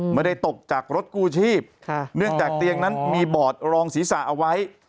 ไม่ได้ตกจากรถกู้ชีพเนื่องจากเตียงนั้นมีบอดรองศีรษะเอาไว้